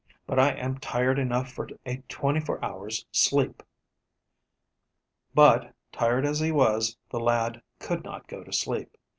but I am tired enough for a twenty four hours' sleep." But, tired as he was, the lad could not go to sleep.